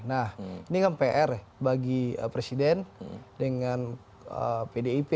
nah ini kan pr bagi presiden dengan pdip